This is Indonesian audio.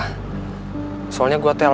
soalnya gue telpon gak diangkat sama dia